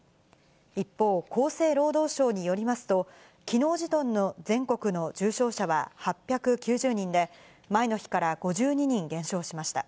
一方、厚生労働省によりますと、きのう時点の全国の重症者は８９０人で、前の日から５２人減少しました。